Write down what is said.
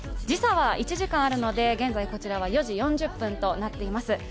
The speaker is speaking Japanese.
時差は１時間あるので、現在こちらは午後４時４０分となっています。